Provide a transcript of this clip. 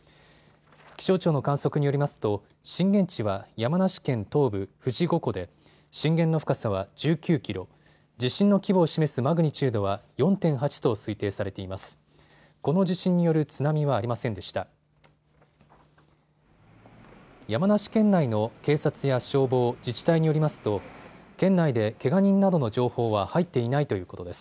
気象庁の観測によりますと震源地は山梨県東部、富士五湖で震源の深さは１９キロ、地震の規模を示すマグニチュードは４．８と推定されています。